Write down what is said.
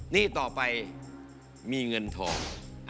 หนี้ต่อไปมีเงินทอง